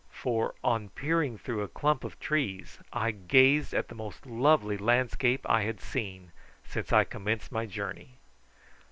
For on peering through a clump of trees I gazed at the most lovely landscape I had seen since I commenced my journey.